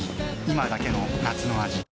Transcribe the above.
今だけの夏の味